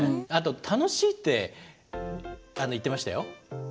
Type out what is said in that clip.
あと「楽しい」って言ってましたよ。